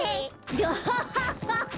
アハハハハ！